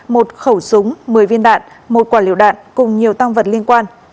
một khẩu súng một mươi viên đạn một quả liệu đạn cùng nhiều tăng vật liên quan